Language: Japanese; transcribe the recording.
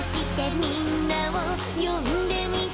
「みんなを呼んでみて」